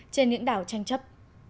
trên những đảo tranh chấp